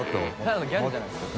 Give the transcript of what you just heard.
ただのギャグじゃないですか。